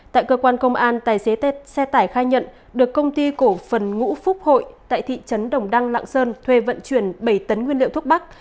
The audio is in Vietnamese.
tại cơ quan công an tài xế tết xe tải khai nhận được công ty cổ phần ngũ phúc hội tại thị trấn đồng đăng lạng sơn thuê vận chuyển bảy tấn nguyên liệu thuốc bắc